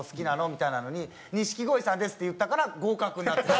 みたいなのに「錦鯉さんです」って言ったから合格になった。